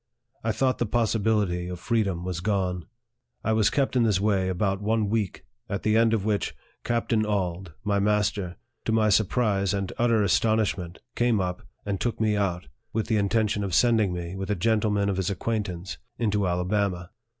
I thought the possibility of freedom was gone. I was kept in this way about one week, at the end of which, Captain Auld, my master, to my surprise and utter as tonishment, came up, and took me out, with the inten tion of sending me, with a gentleman of his acquaint ance, into Alabama.